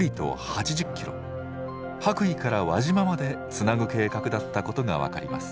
羽咋から輪島までつなぐ計画だったことが分かります。